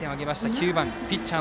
９番ピッチャー